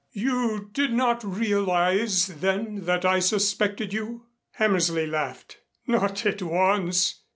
You did not realize then that I suspected you?" Hammersley laughed. "Not at once.